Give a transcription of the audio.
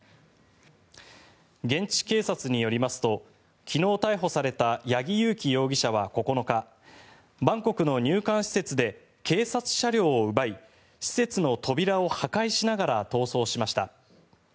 現地警察によりますと昨日逮捕された八木佑樹容疑者は９日、バンコクの入管施設で警察車両を奪い施設の扉を破壊しながら逃走しました。